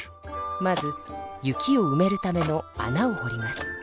まず雪をうめるためのあなをほります。